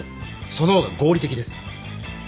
その方が合理的です。